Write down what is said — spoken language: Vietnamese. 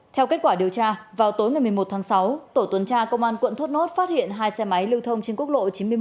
theo kết quả điều tra vào tối ngày một mươi một tháng sáu tổ tuần tra công an quận thốt nốt phát hiện hai xe máy lưu thông trên quốc lộ chín mươi một